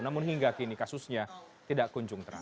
namun hingga kini kasusnya tidak kunjung terang